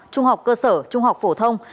trung học cơ sở trung học phổ thông